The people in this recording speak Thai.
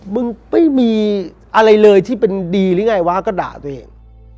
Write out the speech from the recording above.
มึงไม่มีอะไรเลยที่เป็นดีหรือไงวะก็ด่าตัวเอง